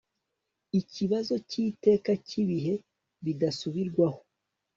Ikibazo cyiteka cyibihe bidasubirwaho